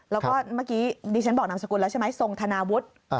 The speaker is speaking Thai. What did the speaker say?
แล้วก็เมื่อกี้ดิฉันบอกนามสกุลแล้วใช่ไหมทรงธนาวุฒิ